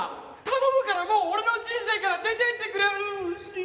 頼むからもう俺の人生から出てってくれルーシー。